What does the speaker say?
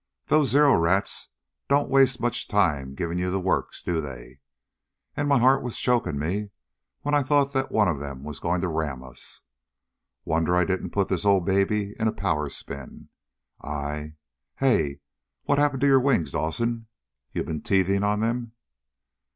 Those Zero rats don't waste much time giving you the works, do they? And my heart was choking me when I thought that one of them was going to ram us. Wonder I didn't put this old baby in a power spin. I Hey! What happened to your wings, Dawson? You been teething on them?"